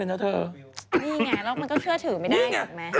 นี่ไงแล้วมันก็เชื่อถือไม่ได้ถูกไหม